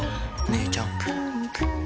お姉ちゃん。